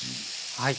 はい。